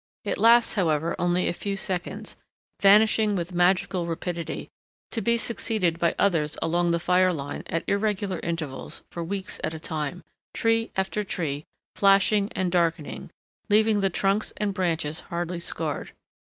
It lasts, however, only a few seconds, vanishing with magical rapidity, to be succeeded by others along the fire line at irregular intervals for weeks at a time—tree after tree flashing and darkening, leaving the trunks and branches hardly scarred.